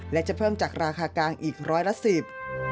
และจะเพิ่มจากราคากลางอีกร้อยละสิบ